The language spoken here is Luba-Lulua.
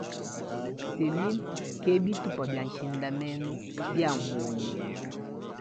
Selile ke bitupa bia nshindamenu bia muoyo.